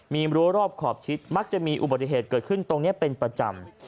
มีรั้วรอบขอบชิดมักจะมีอุบัติเหตุเกิดขึ้นตรงนี้เป็นประจำ